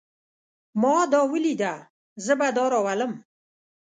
ما دا وليده. زه به دا راولم.